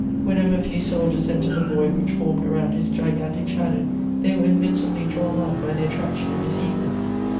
Whenever a few soldiers entered the void which formed around his gigantic shadow, they were invincibly drawn on by the attraction of his eagles.